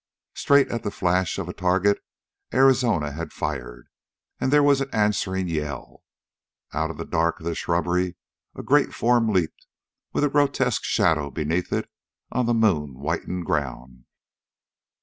Straight at the flash of a target Arizona had fired, and there was an answering yell. Out of the dark of the shrubbery a great form leaped, with a grotesque shadow beneath it on the moon whitened ground.